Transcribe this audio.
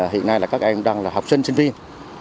hiện nay là các em đang là học sinh sinh viên